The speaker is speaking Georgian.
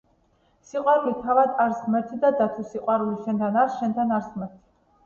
სიყვარული თავად არს ღმერთი და თუ სიყვარული შენთან არს შენთან არს ღმერთი.